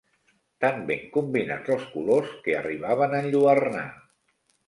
Tan ben combinats els colors, que arribaven a enlluernar